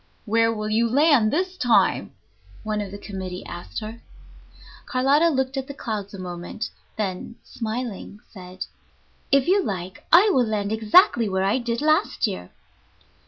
"Where will you land this time?" one of the committee asked her. Carlotta looked at the clouds a moment, then, smiling, said, "If you like, I will land exactly where I did last year."